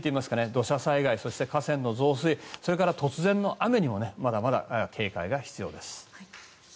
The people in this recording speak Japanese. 土砂災害、そして河川の増水それから突然の雨にもまだまだ警戒が必要です。